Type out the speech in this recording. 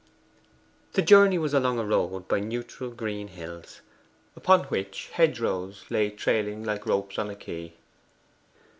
The journey was along a road by neutral green hills, upon which hedgerows lay trailing like ropes on a quay.